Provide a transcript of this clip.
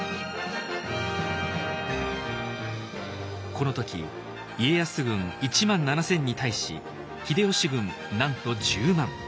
この時家康軍１万７千に対し秀吉軍なんと１０万。